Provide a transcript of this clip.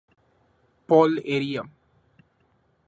Paul area.